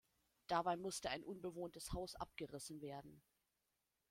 Dabei musste ein unbewohntes Haus abgerissen werden.